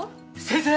先生！